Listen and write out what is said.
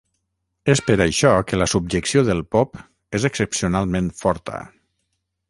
És per això que la subjecció del pop és excepcionalment forta.